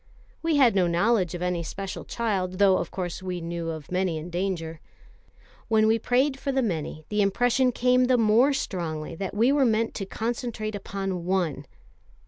We had no knowledge of any special child, though, of course, we knew of many in danger. When we prayed for the many, the impression came the more strongly that we were meant to concentrate upon one.